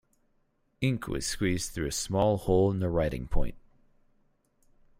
Ink was squeezed through a small hole to the writing point.